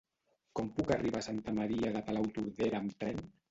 Com puc arribar a Santa Maria de Palautordera amb tren?